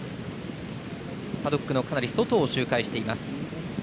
パドックのかなり外を周回しています。